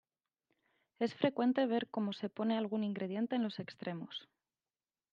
Es frecuente ver como se pone algún ingrediente en los extremos.